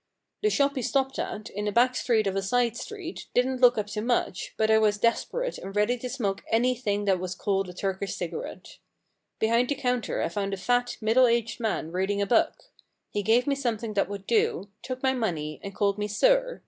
The shop he stopped at, in a back street ofF a side street, didn't look up to much, but I was desperate and ready to smoke anything that was called a Turkish cigarette. Behind the counter I found a fat, middle aged man reading a book. He gave me something that would do, took my money, and called me sir.